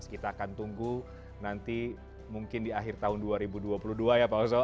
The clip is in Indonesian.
kita akan tunggu nanti mungkin di akhir tahun dua ribu dua puluh dua ya pak oso